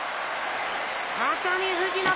熱海富士の勝ち！